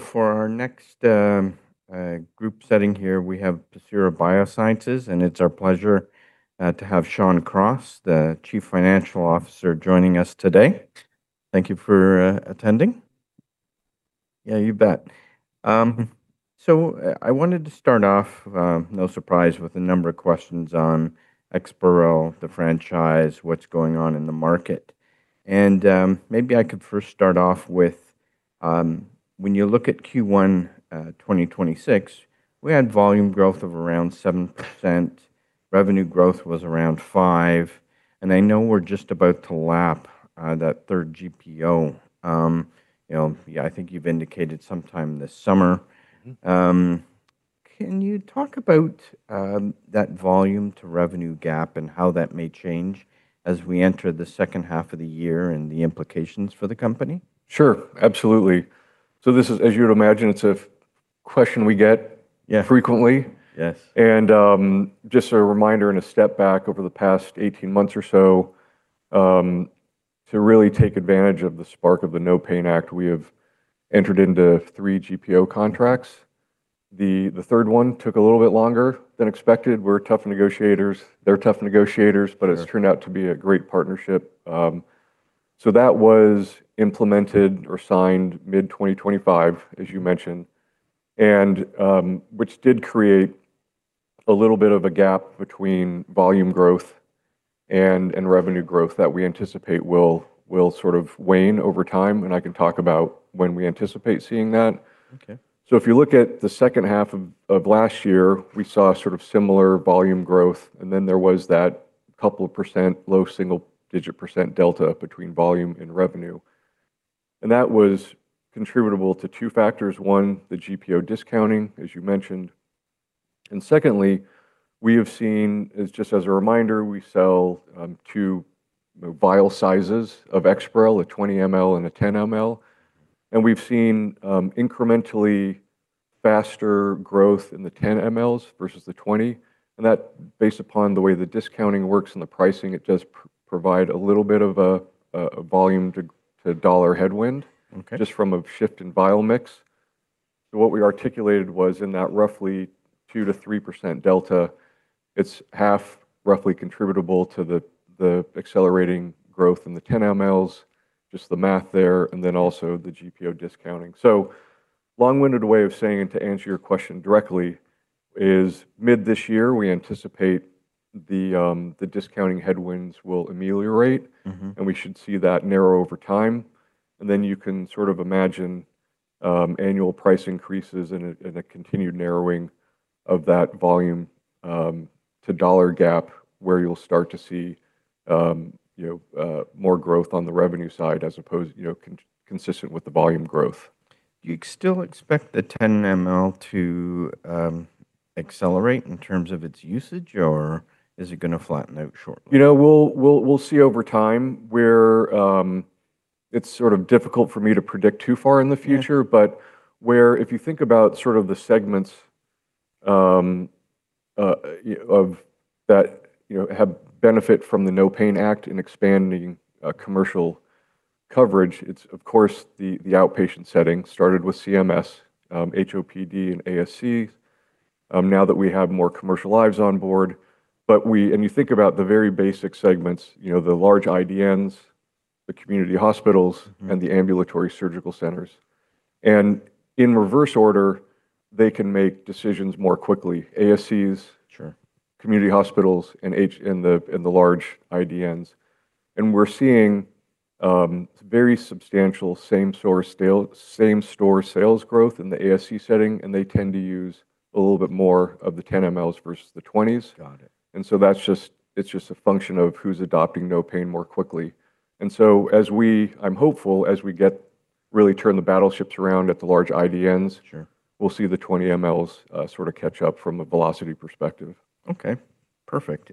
For our next group setting here, we have Pacira BioSciences, and it's our pleasure to have Shawn Cross, the Chief Financial Officer, joining us today. Thank you for attending. Yeah, you bet. I wanted to start off, no surprise, with a number of questions on EXPAREL, the franchise, what's going on in the market. Maybe I could first start off with when you look at Q1 2026, we had volume growth of around 7%, revenue growth was around 5%, and I know we're just about to lap that third GPO, you know. Yeah, I think you've indicated sometime this summer. Can you talk about that volume to revenue gap and how that may change as we enter the second half of the year and the implications for the company? Sure. Absolutely. As you would imagine, it's a question we get frequently. Yes. Just a reminder and a step back over the past 18 months or so, to really take advantage of the spark of the NOPAIN Act, we have entered into three GPO contracts. The third one took a little bit longer than expected. We're tough negotiators. They're tough negotiators. Sure It's turned out to be a great partnership. That was implemented or signed mid-2025, as you mentioned, and which did create a little bit of a gap between volume growth and revenue growth that we anticipate will sort of wane over time. I can talk about when we anticipate seeing that. Okay. If you look at the second half of last year, we saw sort of similar volume growth, and then there was that couple percent, low single-digit percent delta between volume and revenue. That was attributable to two factors: one, the GPO discounting, as you mentioned, and secondly, we have seen, as just as a reminder, we sell two vial sizes of EXPAREL, a 20 ml and a 10 ml, and we've seen incrementally faster growth in the 10 mls versus the 20 ml. That based upon the way the discounting works and the pricing, it does provide a little bit of a volume to dollar headwind just from a shift in vial mix. What we articulated was in that roughly 2%-3% delta, it's half roughly attributable to the accelerating growth in the 10 mls, just the math there, and then also the GPO discounting. Long-winded way of saying and to answer your question directly is mid this year, we anticipate the discounting headwinds will ameliorate. We should see that narrow over time. Then you can sort of imagine, annual price increases and a continued narrowing of that volume to dollar gap where you'll start to see, you know, more growth on the revenue side as opposed, you know, consistent with the volume growth. Do you still expect the 10 ml to accelerate in terms of its usage, or is it gonna flatten out shortly? You know, we'll see over time where. It's sort of difficult for me to predict too far in the future. Yeah. Where if you think about sort of the segments, of that, you know, have benefit from the NOPAIN Act in expanding commercial coverage, it's of course the outpatient setting started with CMS, HOPD, and ASC, now that we have more commercial lives on board. And you think about the very basic segments, you know, the large IDNs, the community hospitals. The Ambulatory Surgery Centers. In reverse order, they can make decisions more quickly. ASCs... Sure community hospitals, and the large IDNs. We're seeing, very substantial same store sales growth in the ASC setting, and they tend to use a little bit more of the 10 mLs versus the 20s. Got it. It's just a function of who's adopting the NOPAIN Act more quickly. I'm hopeful, as we really turn the battleships around at the large IDNs. Sure We'll see the 20 ml, sort of catch up from a velocity perspective. Okay. Perfect.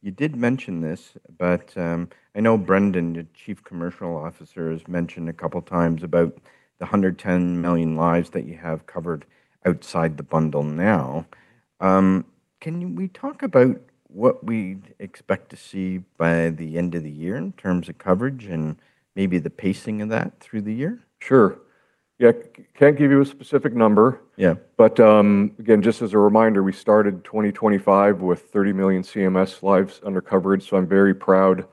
You did mention this, but I know Brendan, your Chief Commercial Officer, has mentioned a couple times about the 110 million lives that you have covered outside the bundle now. Can we talk about what we'd expect to see by the end of the year in terms of coverage and maybe the pacing of that through the year? Sure. Yeah. Can't give you a specific number. Yeah. Again, just as a reminder, we started 2025 with 30 million CMS lives under coverage. I'm very proud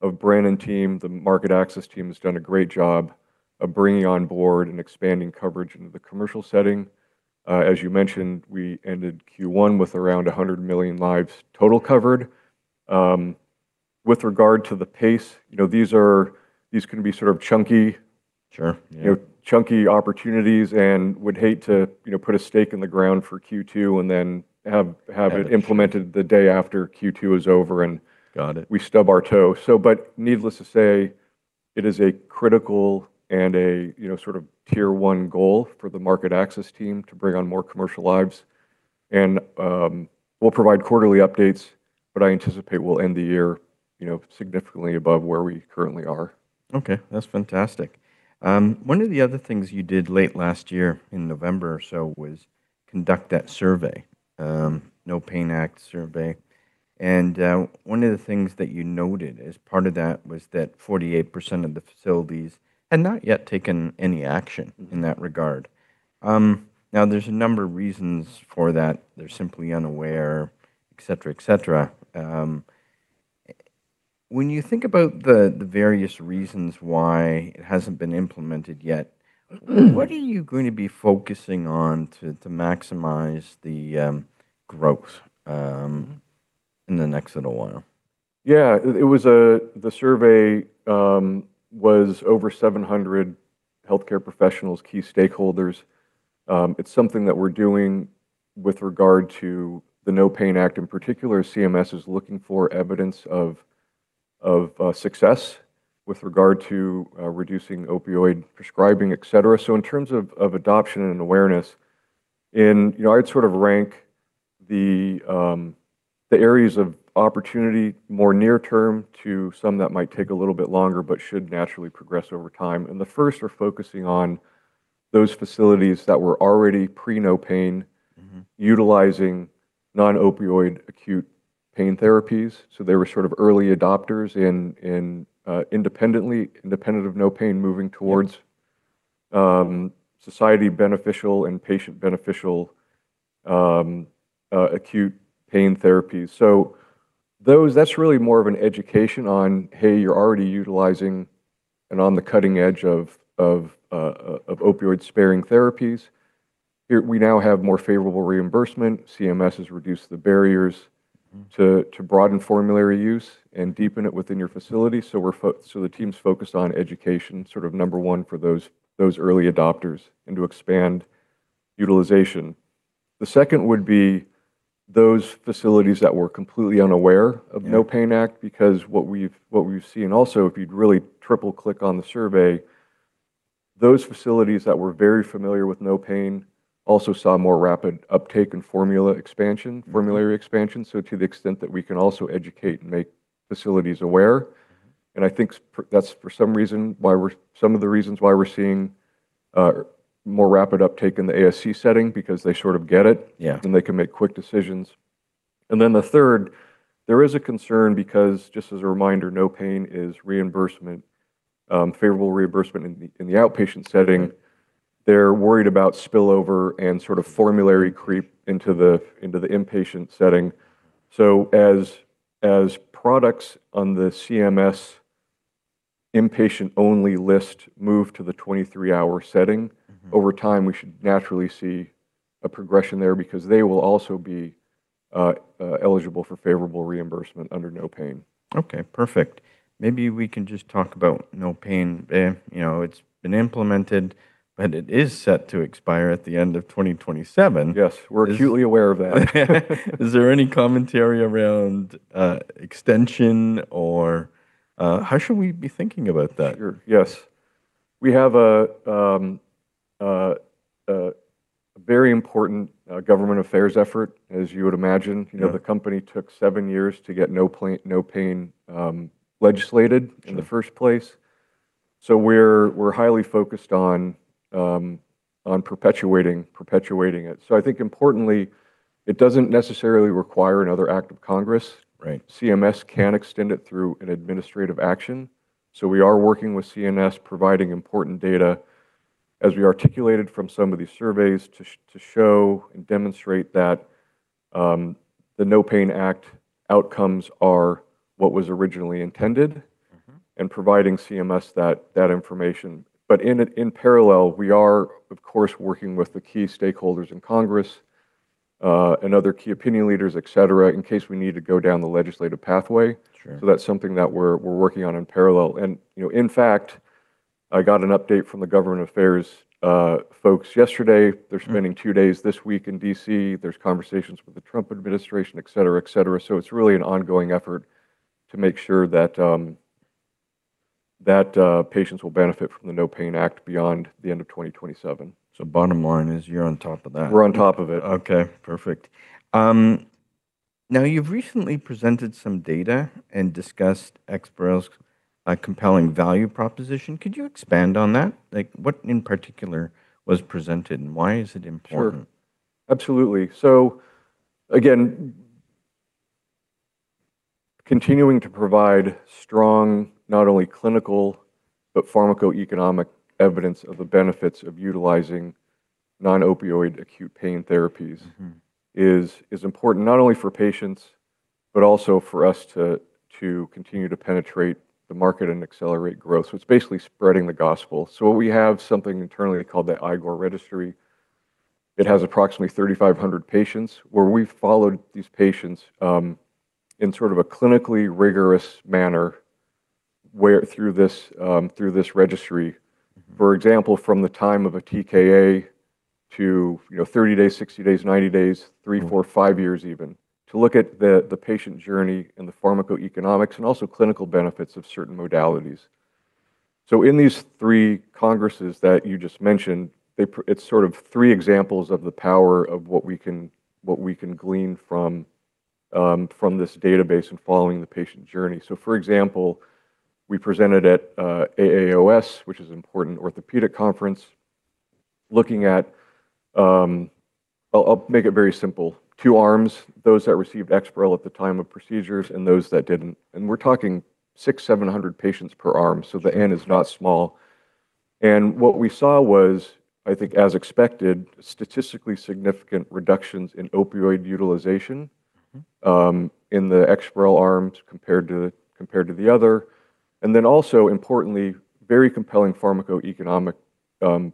of Brendan team. The market access team has done a great job of bringing on board and expanding coverage into the commercial setting. As you mentioned, we ended Q1 with around 100 million lives total covered. With regard to the pace, you know, these can be sort of chunky- Sure. Yeah. You know, chunky opportunities and would hate to, you know, put a stake in the ground for Q2 and then have it Have it. implemented the day after Q2 is over. Got it. We stub our toe. Needless to say, it is a critical and, you know, sort of tier 1 goal for the market access team to bring on more commercial lives. We'll provide quarterly updates, I anticipate we'll end the year, you know, significantly above where we currently are. Okay. That's fantastic. One of the other things you did late last year in November or so was conduct that survey, NOPAIN Act survey. One of the things that you noted as part of that was that 48% of the facilities had not yet taken any action in that regard. Now there's a number of reasons for that. They're simply unaware, et cetera, et cetera. When you think about the various reasons why it hasn't been implemented yet, what are you going to be focusing on to maximize the growth in the next little while? Yeah. The survey was over 700 healthcare professionals, key stakeholders. It's something that we're doing with regard to the NOPAIN Act in particular. CMS is looking for evidence of success with regard to reducing opioid prescribing, et cetera. In terms of adoption and awareness, You know, I'd sort of rank the areas of opportunity more near term to some that might take a little bit longer but should naturally progress over time. The first we're focusing on those facilities that were already pre-NOPAIN- utilizing non-opioid acute pain therapies. They were sort of early adopters in independent of NOPAIN Act moving towards... Yes society beneficial and patient beneficial, acute pain therapies. Those, that's really more of an education on, "Hey, you're already utilizing and on the cutting edge of opioid-sparing therapies. Here, we now have more favorable reimbursement. CMS has reduced the barriers- to broaden formulary use and deepen it within your facility." The team's focused on education, sort of number one for those early adopters and to expand utilization. The second would be those facilities that were completely unaware of. Yeah NOPAIN Act because what we've seen also, if you'd really triple click on the survey, those facilities that were very familiar with NOPAIN also saw more rapid uptake in formula expansion. Formulary expansion. To the extent that we can also educate and make facilities aware, and I think that's for some of the reasons why we're seeing more rapid uptake in the ASC setting because they sort of get it. Yeah They can make quick decisions. The third, there is a concern because, just as a reminder, NOPAIN Act is reimbursement, favorable reimbursement in the, in the outpatient setting. Yeah. They're worried about spillover and sort of formulary creep into the, into the inpatient setting. As products on the CMS Inpatient-Only list move to the 23-hour setting. Over time, we should naturally see a progression there because they will also be eligible for favorable reimbursement under the NOPAIN Act. Okay. Perfect. Maybe we can just talk about the NOPAIN Act. You know, it's been implemented, but it is set to expire at the end of 2027. Yes. Is- We're acutely aware of that. Is there any commentary around extension or how should we be thinking about that? Sure. Yes. We have a very important government affairs effort, as you would imagine. Yeah. You know, the company took seven years to get NOPAIN Act legislated in the first place. We're highly focused on perpetuating it. I think importantly, it doesn't necessarily require another act of Congress. Right. CMS can extend it through an administrative action. We are working with CMS providing important data as we articulated from some of these surveys to show and demonstrate that the NOPAIN Act outcomes are what was originally intended. Providing CMS that information. In parallel, we are, of course, working with the key stakeholders in Congress and other key opinion leaders, et cetera, in case we need to go down the legislative pathway. Sure. That's something that we're working on in parallel. You know, in fact, I got an update from the government affairs folks yesterday. They're spending two days this week in D.C. There's conversations with the Trump administration, et cetera, et cetera. It's really an ongoing effort to make sure that patients will benefit from the NOPAIN Act beyond the end of 2027. Bottom line is you're on top of that. We're on top of it. Okay. Perfect. Now you've recently presented some data and discussed EXPAREL's compelling value proposition. Could you expand on that? Like, what in particular was presented, and why is it important? Sure. Absolutely. Again, continuing to provide strong, not only clinical, but pharmacoeconomic evidence of the benefits of utilizing non-opioid acute pain therapies. Is important not only for patients, but also for us to continue to penetrate the market and accelerate growth. It's basically spreading the gospel. We have something internally called the IGOR registry. It has approximately 3,500 patients, where we've followed these patients, in sort of a clinically rigorous manner where, through this, through this registry. For example, from the time of a TKA to, you know, 30 days, 60 days, 90 days. Three, four, five years even, to look at the patient journey and the pharmacoeconomics and also clinical benefits of certain modalities. In these three congresses that you just mentioned, they it's sort of three examples of the power of what we can, what we can glean from from this database and following the patient journey. For example, we presented at AAOS, which is an important orthopedic conference, looking at, I'll make it very simple. Two arms, those that received EXPAREL at the time of procedures and those that didn't, and we're talking 600, 700 patients per arm. The [N] is not small. What we saw was, I think as expected, statistically significant reductions in opioid utilization. In the EXPAREL arms compared to the other. Also importantly, very compelling pharmacoeconomic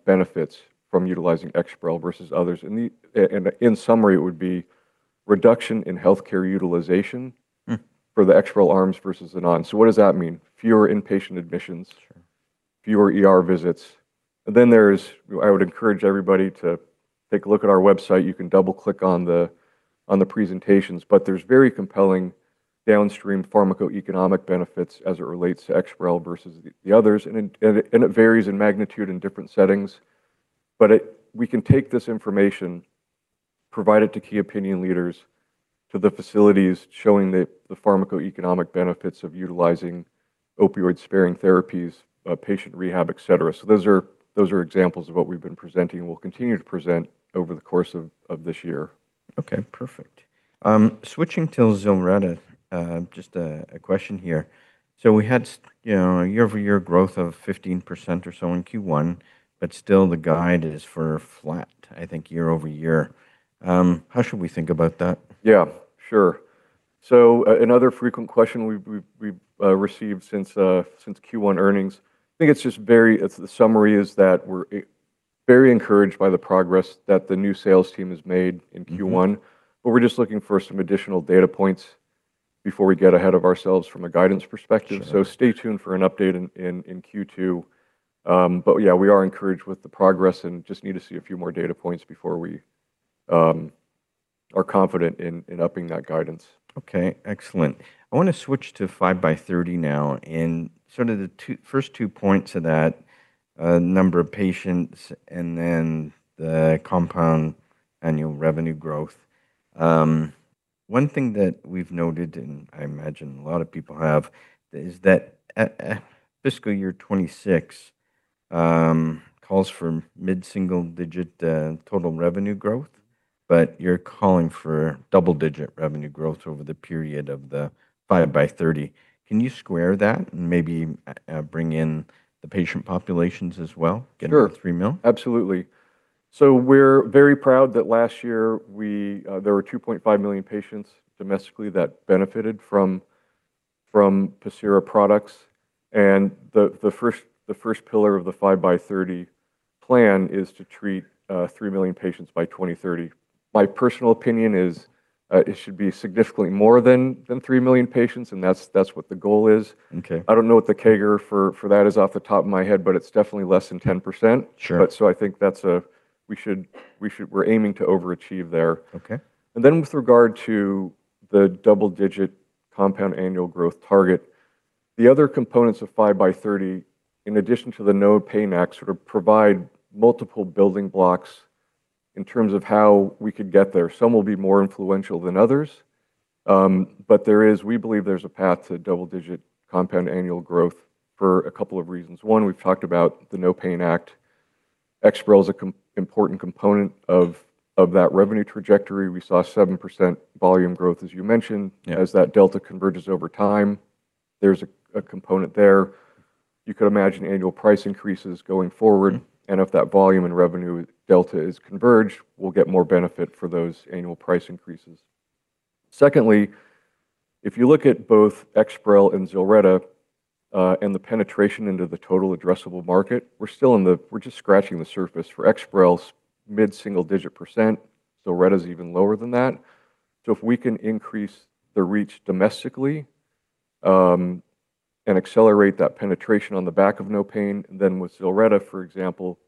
benefits from utilizing EXPAREL versus others. In summary, it would be reduction in healthcare utilization. For the EXPAREL arms versus the non. What does that mean? Fewer inpatient admissions. Sure. Fewer ER visits. I would encourage everybody to take a look at our website. You can double-click on the presentations, but there's very compelling downstream pharmacoeconomic benefits as it relates to EXPAREL versus the others. It varies in magnitude in different settings, but we can take this information, provide it to key opinion leaders, to the facilities showing the pharmacoeconomic benefits of utilizing opioid-sparing therapies, patient rehab, et cetera. Those are examples of what we've been presenting and will continue to present over the course of this year. Okay, perfect. Switching to ZILRETTA, just a question here. We had you know, a year-over-year growth of 15% or so in Q1, but still the guide is for flat, I think year-over-year. How should we think about that? Yeah, sure. Another frequent question we've received since Q1 earnings. It's the summary is that we're very encouraged by the progress that the new sales team has made in Q1. We're just looking for some additional data points before we get ahead of ourselves from a guidance perspective. Sure. Stay tuned for an update in Q2. But yeah, we are encouraged with the progress and just need to see a few more data points before we are confident in upping that guidance. Okay, excellent. I want to switch to 5x30 now. In sort of the first two points of that, number of patients and then the compound annual revenue growth. One thing that we've noted, and I imagine a lot of people have, is that FY 2026 calls for mid-single digit total revenue growth, but you're calling for double-digit revenue growth over the period of the 5x30. Can you square that and maybe bring in the patient populations as well? Sure Getting to $3 million? Absolutely. We're very proud that last year we, there were 2.5 million patients domestically that benefited from Pacira products. The first pillar of the 5x30 plan is to treat 3 million patients by 2030. My personal opinion is, it should be significantly more than 3 million patients, and that's what the goal is. Okay. I don't know what the CAGR for that is off the top of my head, but it's definitely less than 10%. Sure. I think that's. We should, we're aiming to overachieve there. Okay. With regard to the double-digit compound annual growth target, the other components of 5x30, in addition to the NOPAIN Act, sort of provide multiple building blocks in terms of how we could get there. Some will be more influential than others, but there is-- we believe there's a path to double-digit compound annual growth for a couple of reasons. One, we've talked about the NOPAIN Act. EXPAREL is an important component of that revenue trajectory. We saw 7% volume growth, as you mentioned. Yeah. As that delta converges over time, there's a component there. You could imagine annual price increases going forward. If that volume and revenue delta is converged, we'll get more benefit for those annual price increases. Secondly, if you look at both EXPAREL and ZILRETTA, and the penetration into the total addressable market, we're just scratching the surface. For EXPAREL, mid-single digit percent. ZILRETTA's even lower than that. If we can increase the reach domestically, and accelerate that penetration on the back of NOPAIN Act, then with ZILRETTA, for example,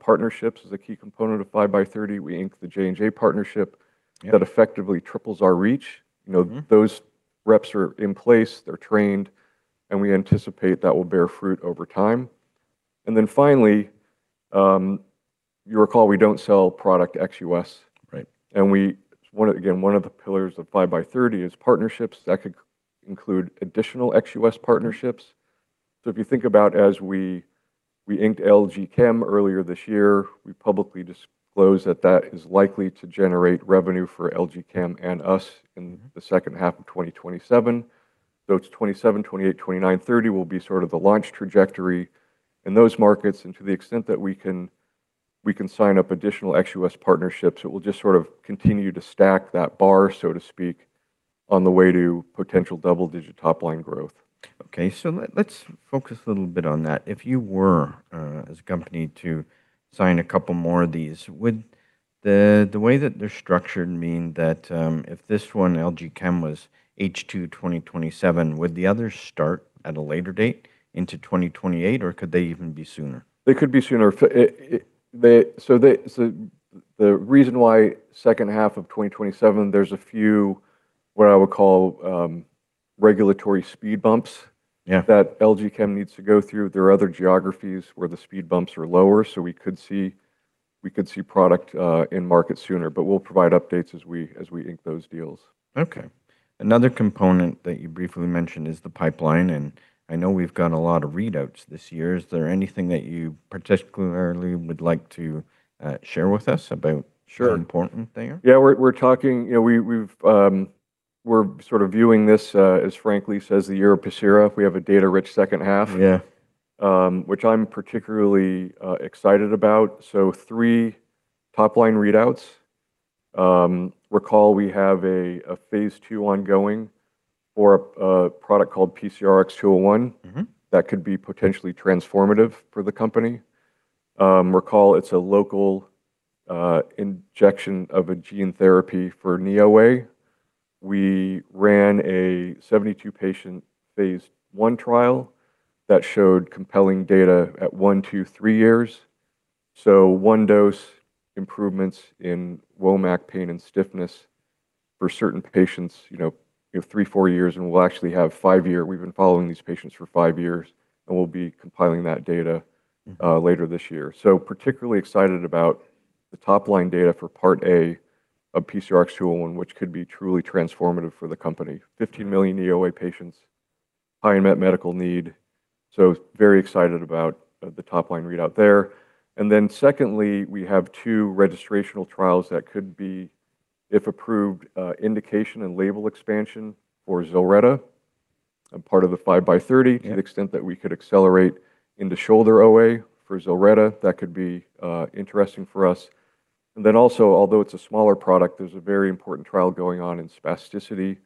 partnerships is a key component of 5x30. We inked the J&J partnership- Yeah That effectively triples our reach. You know. Those reps are in place, they're trained, and we anticipate that will bear fruit over time. Then finally, you recall we don't sell product ex-U.S. Right. Again, one of the pillars of 5x30 is partnerships. That could include additional ex-U.S. partnerships. If you think about as we inked LG Chem earlier this year, we publicly disclosed that is likely to generate revenue for LG Chem and us in the second half of 2027. It's 2027, 2028, 2029, 2030 will be sort of the launch trajectory in those markets. To the extent that we can, we can sign up additional ex-U.S. partnerships, it will just sort of continue to stack that bar, so to speak, on the way to potential double-digit top-line growth. Okay. Let's focus a little bit on that. If you were as a company to sign a couple more of these, would the way that they're structured mean that if this one, LG Chem, was H2 2027, would the others start at a later date into 2028, or could they even be sooner? They could be sooner. The reason why second half of 2027, there's a few, what I would call, regulatory speed bumps Yeah that LG Chem needs to go through. There are other geographies where the speed bumps are lower, so we could see product in market sooner, but we'll provide updates as we ink those deals. Okay. Another component that you briefly mentioned is the pipeline, and I know we've gotten a lot of readouts this year. Is there anything that you particularly would like to share with us? Sure About the important thing there? Yeah. We're talking You know, we're sort of viewing this, as frankly says the year of Pacira. We have a data rich second half- Yeah which I am particularly excited about. Three top line readouts. Recall we have a phase II ongoing for a product called PCRX-201. That could be potentially transformative for the company. Recall it's a local injection of a gene therapy for knee osteoarthritis. We ran a 72 patient phase I trial that showed compelling data at one, two, three years. One dose improvements in WOMAC pain and stiffness for certain patients, you know, you have three, four years and we'll actually have five year. We've been following these patients for five years, and we'll be compiling that data later this year. Particularly excited about the top line data for part A of PCRX-201, which could be truly transformative for the company. 15 million knee OA patients, high unmet medical need, so very excited about the top line readout there. Then secondly, we have two registrational trials that could be, if approved, indication and label expansion for ZILRETTA, a part of the 5x30. Yeah. To the extent that we could accelerate in the shoulder osteoarthritis for ZILRETTA, that could be interesting for us. Also, although it's a smaller product, there's a very important trial going on in spasticity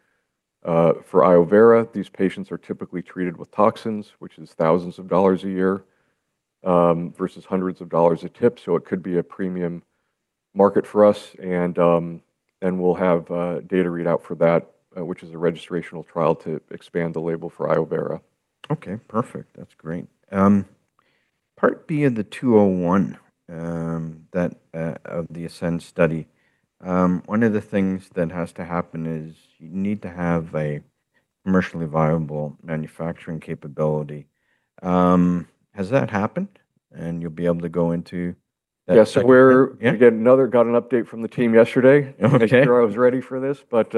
for iovera. These patients are typically treated with toxins, which is thousands of dollars a year, versus hundreds of dollars a tip. It could be a premium market for us, and we'll have data readout for that, which is a registrational trial to expand the label for iovera. Okay. Perfect. That's great. Part B of the PCRX-201, that of the ASCEND study, one of the things that has to happen is you need to have a commercially viable manufacturing capability. Has that happened and you'll be able to go into that- Yeah? Yes. Again, another got an update from the team yesterday. Okay. Make sure I was ready for this, but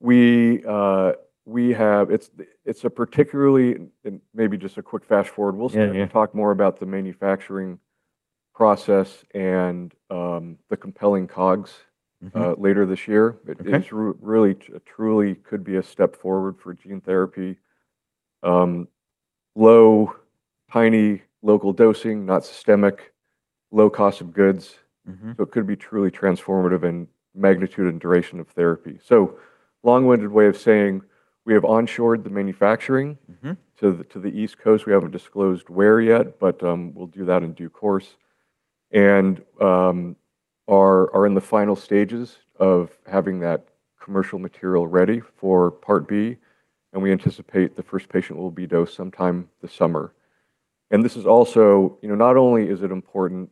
we have It's a particularly, and maybe just a quick fast-forward. Yeah. We'll talk more about the manufacturing process and the compelling COGS. Later this year. Okay. It is really, truly could be a step forward for gene therapy. Low, tiny local dosing, not systemic, low cost of goods. It could be truly transformative in magnitude and duration of therapy. Long-winded way of saying we have onshored the manufacturing to the, to the East Coast. We haven't disclosed where yet, but we'll do that in due course, are in the final stages of having that commercial material ready for part B. We anticipate the first patient will be dosed sometime this summer. This is also, you know, not only is it important,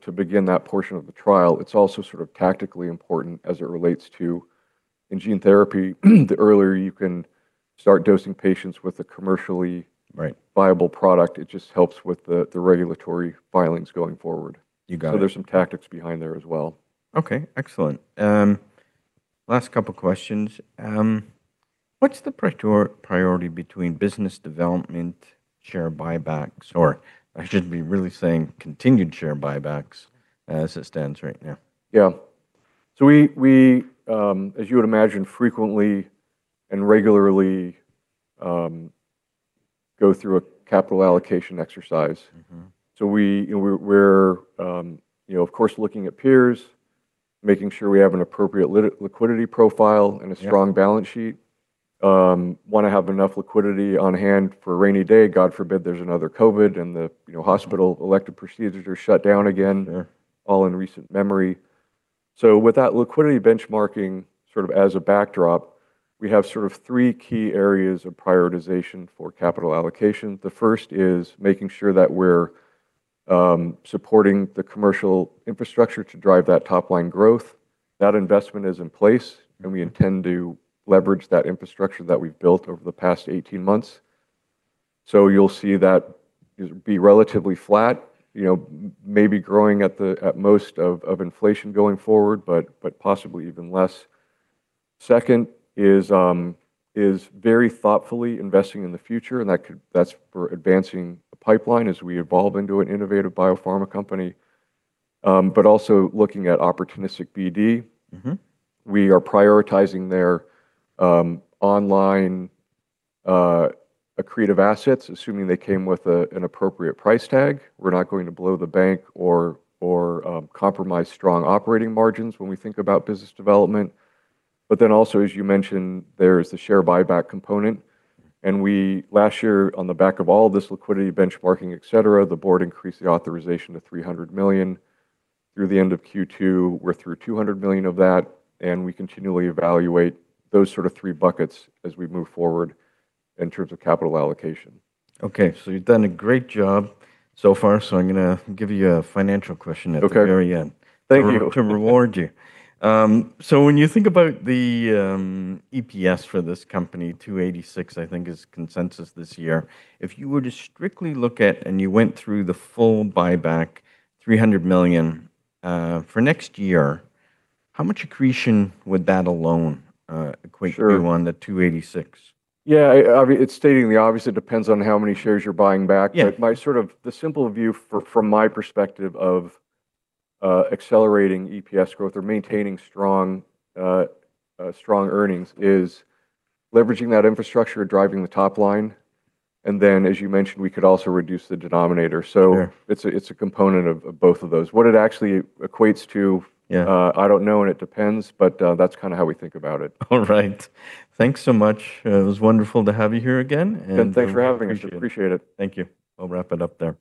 to begin that portion of the trial. It's also sort of tactically important as it relates to in gene therapy, the earlier you can start dosing patients with a commercially- Right viable product, it just helps with the regulatory filings going forward. You got it. There's some tactics behind there as well. Okay, excellent. Last two questions. What's the priority between business development, share buybacks, or I should be really saying continued share buybacks as it stands right now? Yeah. We, as you would imagine, frequently and regularly, go through a capital allocation exercise. We, you know, we're, you know, of course, looking at peers, making sure we have an appropriate liquidity profile. Yeah Strong balance sheet. Wanna have enough liquidity on hand for a rainy day. God forbid there's another COVID and the, you know, hospital elective procedures are shut down again. Sure All in recent memory. With that liquidity benchmarking sort of as a backdrop, we have sort of 3 key areas of prioritization for capital allocation. The first is making sure that we're supporting the commercial infrastructure to drive that top line growth. That investment is in place, and we intend to leverage that infrastructure that we've built over the past 18 months. You'll see that is be relatively flat, you know, maybe growing at the most of inflation going forward, but possibly even less. Second is very thoughtfully investing in the future, and that could that's for advancing the pipeline as we evolve into an innovative biopharma company, but also looking at opportunistic BD. We are prioritizing their online accretive assets, assuming they came with an appropriate price tag. We're not going to blow the bank or compromise strong operating margins when we think about business development. Also, as you mentioned, there is the share buyback component. We, last year, on the back of all this liquidity benchmarking, et cetera, the board increased the authorization to $300 million. Through the end of Q2, we're through $200 million of that, and we continually evaluate those sort of three buckets as we move forward in terms of capital allocation. Okay. You've done a great job so far, so I'm gonna give you a financial question. Okay At the very end- Thank you. To reward you. When you think about the EPS for this company, $2.86, I think is consensus this year. If you were to strictly look at, and you went through the full buyback $300 million for next year, how much accretion would that alone equate? Sure To on the $2.86? Yeah. It's stating the obvious. It depends on how many shares you're buying back. Yeah. The simple view from my perspective of accelerating EPS growth or maintaining strong earnings is leveraging that infrastructure, driving the top line, as you mentioned, we could also reduce the denominator. Yeah It's a component of both of those. What it actually equates to... Yeah I don't know, and it depends, but that's kinda how we think about it. All right. Thanks so much. It was wonderful to have you here again. Good. Thanks for having us. Appreciate it. Appreciate it. Thank you. I'll wrap it up there.